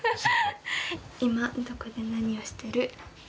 「今どこでなにをしてる？